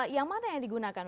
yang mana yang digunakan